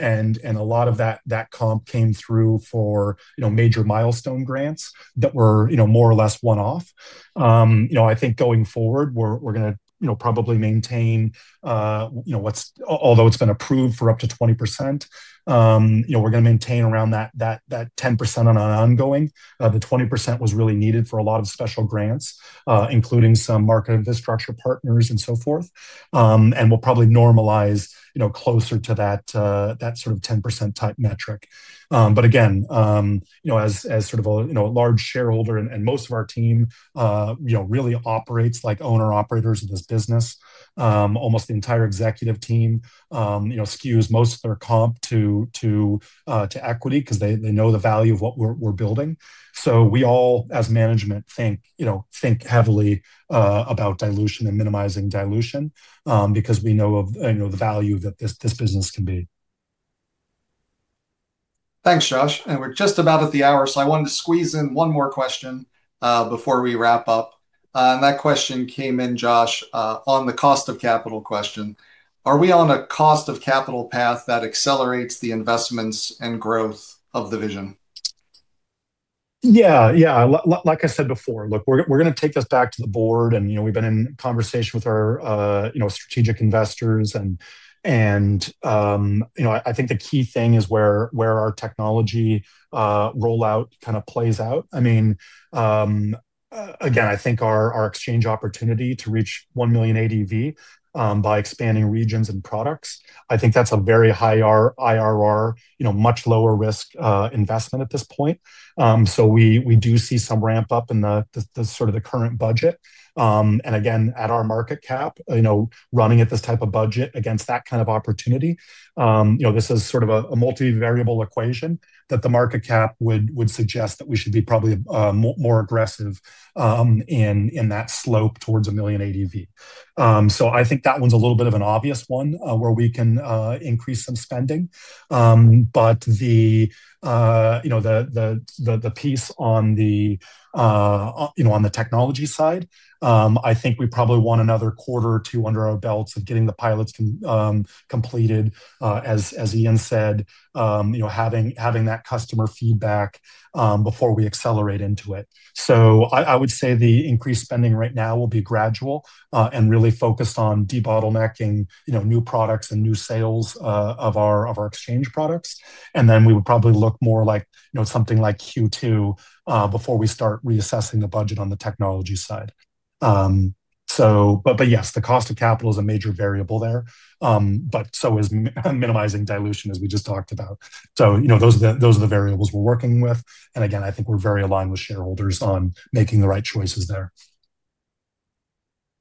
lot of that comp came through for major milestone grants that were more or less one-off. I think going forward, we're going to probably maintain what's—although it's been approved for up to 20%, we're going to maintain around that 10% on an ongoing. The 20% was really needed for a lot of special grants, including some market infrastructure partners and so forth. We'll probably normalize closer to that sort of 10% type metric. Again, as sort of a large shareholder, and most of our team really operates like owner-operators of this business, almost the entire executive team skews most of their comp to equity because they know the value of what we're building. We all, as management, think heavily about dilution and minimizing dilution because we know of the value that this business can be. Thanks, Josh. We're just about at the hour. I wanted to squeeze in one more question before we wrap up. That question came in, Josh, on the cost of capital question. Are we on a cost of capital path that accelerates the investments and growth of the vision? Yeah. Yeah. Like I said before, look, we're going to take this back to the board. We've been in conversation with our strategic investors. I think the key thing is where our technology rollout kind of plays out. I mean, again, I think our exchange opportunity to reach 1 million ADV by expanding regions and products, I think that's a very high IRR, much lower risk investment at this point. We do see some ramp-up in sort of the current budget. Again, at our market cap, running at this type of budget against that kind of opportunity, this is sort of a multi-variable equation that the market cap would suggest that we should be probably more aggressive in that slope towards a million ADV. I think that one's a little bit of an obvious one where we can increase some spending. The piece on the technology side, I think we probably want another quarter or two under our belts of getting the pilots completed, as Ian said, having that customer feedback before we accelerate into it. I would say the increased spending right now will be gradual and really focused on debottlenecking new products and new sales of our exchange products. We would probably look more like something like Q2 before we start reassessing the budget on the technology side. Yes, the cost of capital is a major variable there, but so is minimizing dilution, as we just talked about. Those are the variables we're working with. I think we're very aligned with shareholders on making the right choices there.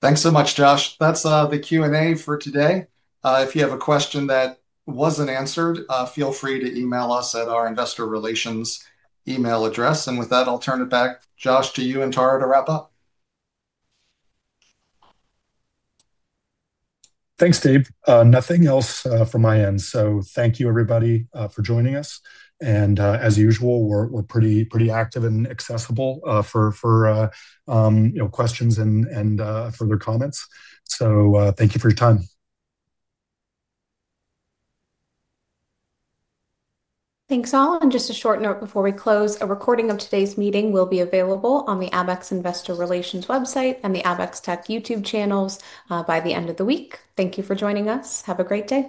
Thanks so much, Josh. That's the Q&A for today. If you have a question that was not answered, feel free to email us at our investor relations email address. With that, I will turn it back, Josh, to you and Tara to wrap up. Thanks, Dave. Nothing else from my end. Thank you, everybody, for joining us. As usual, we are pretty active and accessible for questions and further comments. Thank you for your time. Thanks, all. Just a short note before we close, a recording of today's meeting will be available on the Abaxx Investor Relations website and the Abaxx Tech YouTube channels by the end of the week. Thank you for joining us. Have a great day.